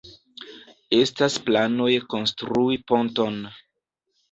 Estas planoj konstrui ponton.